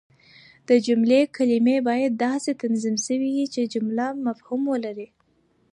د جملې کلیمې باید داسي تنظیم سوي يي، چي جمله مفهوم ولري.